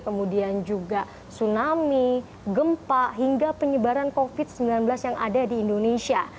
kemudian juga tsunami gempa hingga penyebaran covid sembilan belas yang ada di indonesia